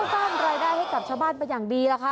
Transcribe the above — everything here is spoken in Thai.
สร้างรายได้ให้กับชาวบ้านเป็นอย่างดีล่ะคะ